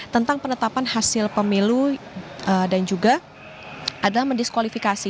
tentang penetapan hasil pemilu dan juga adalah mendiskualifikasi